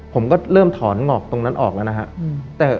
ผมก็เริ่มถอนงอกตรงนั้นออกแล้วนะครับ